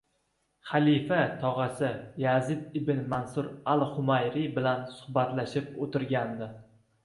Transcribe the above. Xalifa tog‘asi Yazid ibn Mansur al-Xumayri bilan suhbatlashib o‘tirgandi.